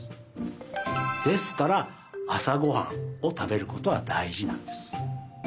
ですからあさごはんをたべることはだいじなんです。